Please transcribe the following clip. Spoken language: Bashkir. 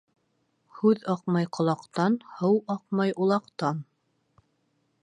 Һүҙ аҡмай ҡолаҡтан, һыу аҡмай улаҡтан.